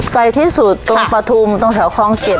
ไปที่สุดตรงปะทุมตรงแถวคล้องเก็บ